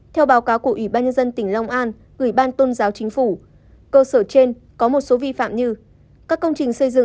theo báo cáo của ủy ban nhân dân tỉnh long an gửi ban tôn giáo chính phủ cơ sở trên có một số vi phạm như